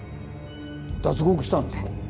脱獄したんですか？